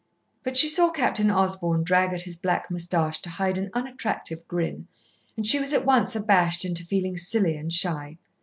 But she saw Captain Osborn drag at his black moustache to hide an unattractive grin, and she was at once abashed into feeling silly and shy.